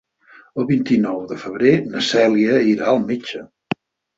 El vint-i-nou de febrer na Cèlia irà al metge.